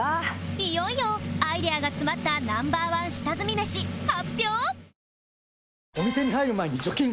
いよいよアイデアが詰まったナンバーワン下積みメシ発表